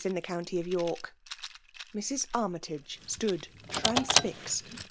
in the. county of York." :;'.^. Mrs. Army tage stood transfixed